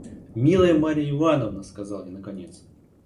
«Милая Марья Ивановна! – сказал я наконец.